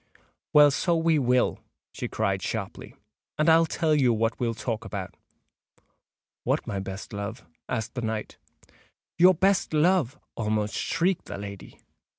"Well, so we will," she cried sharply; "and I'll tell you what we'll talk about." "What, my best love?" asked the knight. "Your best love!" almost shrieked the lady.